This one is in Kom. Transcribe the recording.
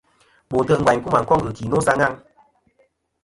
Bo ntè' ngvaynkuma koŋ ghɨki no sa ghaŋ.